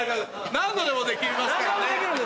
何度でもできますからね。